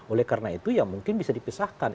oleh karena itu ya mungkin bisa dipisahkan